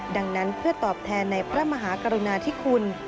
ดังนั้นเพื่อตอบแทนในพระมหากรุณาธิคุณ